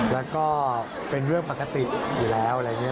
แล้วก็เป็นเรื่องปกติอยู่แล้วอะไรอย่างนี้